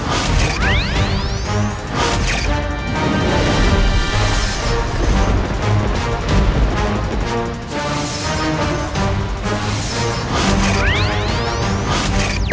aku sudah berhenti